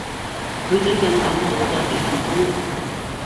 佢最近搵多咗幾份工